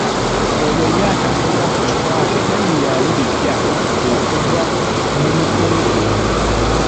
Oyo ye atambulira ku kikwate tayiiyaayo bipya okuva mu mutwe gwe.